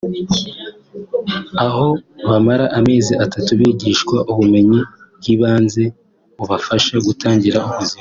aho bamara amezi atatu bigishwa ubumenyi bw’ibanze bubafasha gutangira ubuzima